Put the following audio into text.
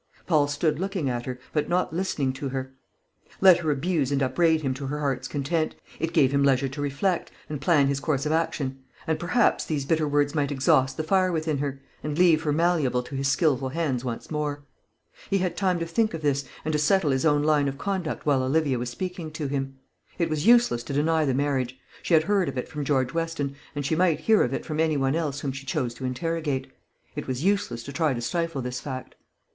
Paul stood looking at her, but not listening to her. Let her abuse and upbraid him to her heart's content; it gave him leisure to reflect, and plan his course of action; and perhaps these bitter words might exhaust the fire within her, and leave her malleable to his skilful hands once more. He had time to think this, and to settle his own line of conduct while Olivia was speaking to him. It was useless to deny the marriage. She had heard of it from George Weston, and she might hear of it from any one else whom she chose to interrogate. It was useless to try to stifle this fact.